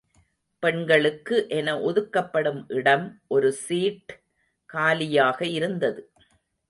பெண்களுக்கு என ஒதுக்கப்படும் இடம் ஒரு சீட், காலியாக இருந்தது.